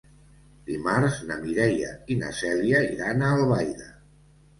Dimarts na Mireia i na Cèlia iran a Albaida.